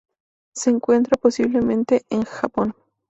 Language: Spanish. Se encuentra posiblemente en Japón.